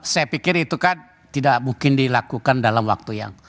saya pikir itu kan tidak mungkin dilakukan dalam waktu yang